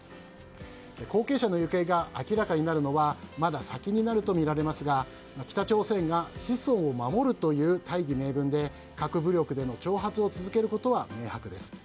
後継者の行方が明らかになるのはまだ先になるとみられますが北朝鮮が子孫を守るという大義名分で核武力での挑発を続けることは明白です。